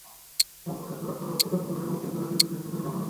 দাম পরিশোধ করার পরবর্তী কর্মদিবসের মধ্যেই গ্রাহকের বিকাশে টাকা জমা হবে।